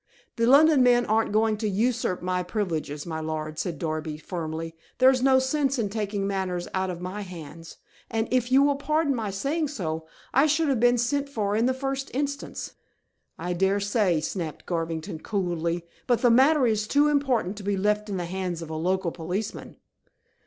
"The London men aren't going to usurp my privileges, my lord," said Darby, firmly. "There's no sense in taking matters out of my hands. And if you will pardon my saying so, I should have been sent for in the first instance." "I daresay," snapped Garvington, coolly. "But the matter is too important to be left in the hands of a local policeman."